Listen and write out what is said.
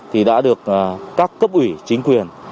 thì đã được các cấp ủy chính quyền